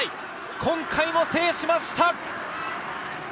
今回も制しました。